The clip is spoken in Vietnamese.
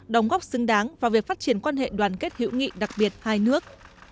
đóng góp xứng đáng vào việc phát triển quan hệ đoàn kết hữu nghị đặc biệt hai nước